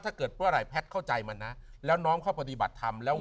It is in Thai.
ถ้าเกิดเพราะอะไรแพทย์เข้าใจมันนะแล้วน้องเขาปฏิบัติธรรมแล้ว